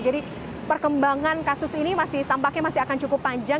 jadi perkembangan kasus ini tampaknya masih cukup panjang